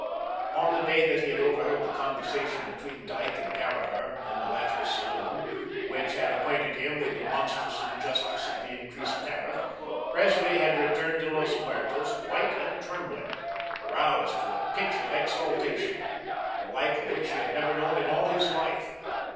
On the day that he had overheard the conversation between Dyke and Caraher, in the latter's saloon, which had acquainted him with the monstrous injustice of the increased tariff, Presley had returned to Los Muertos, white and trembling, roused to a pitch of exaltation, the like of which he had never known in all his life.